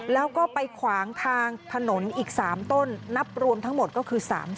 แล้วก็ไปขวางทางถนนอีก๓ต้นนับรวมทั้งหมดก็คือ๓๐